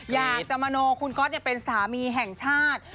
อยากจะมโนคุณก๊อตเป็นสามีแห่งชาติ